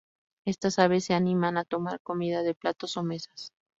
Estas aves se animan a tomar comida de platos o mesas.